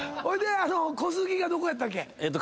ほいで小杉がどこやったっけ？